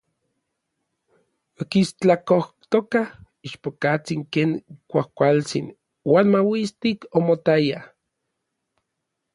Okistlakojtokaj ichpokatsin ken kuajkualtsin uan mauistik omotaya.